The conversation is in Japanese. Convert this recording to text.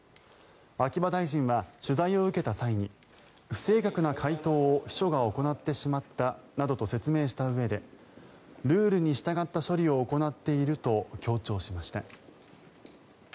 秋葉大臣は取材を受けた際に不正確な回答を秘書が行ってしまったなどと説明したうえでルールに従った処理を行っていると強調しました。